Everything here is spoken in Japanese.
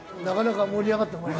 「なかなか盛り上がって」。